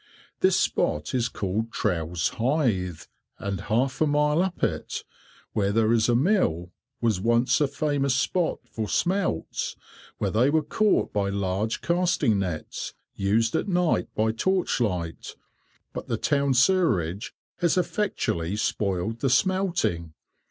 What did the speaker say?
This spot is called Trowse Hythe, and half a mile up it, where there is a mill, was once a famous spot for smelts, where they were caught by large casting nets, used at night by torch light, but the town sewage has effectually spoiled the smelting.